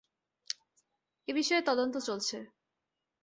এ বিষয়ে তদন্ত চলছে।